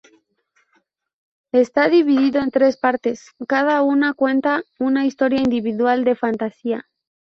Está dividido en tres partes; cada una cuenta una historia individual de fantasía.